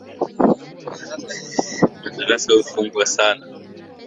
Madarasa hufungwa sana.